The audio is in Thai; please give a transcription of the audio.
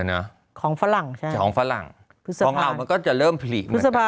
เนอะของฝรั่งใช่ของฝรั่งของเรามันก็จะเริ่มผลิเพราะสภา